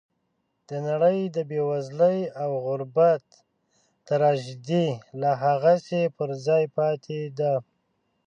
د نړۍ د بېوزلۍ او غربت تراژیدي لا هغسې پر ځای پاتې ده.